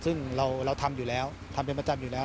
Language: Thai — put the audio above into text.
ซึ่งเราทำอยู่แล้วทำเป็นประจำอยู่แล้ว